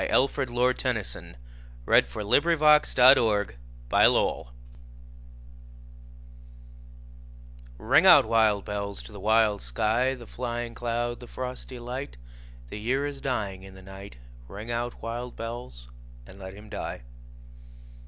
Alfred, Lord Tennyson Ring Out, Wild Bells RING out, wild bells, to the wild sky, The flying cloud, the frosty light; The year is dying in the night; Ring out, wild bells, and let him die.